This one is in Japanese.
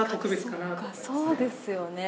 そうですよね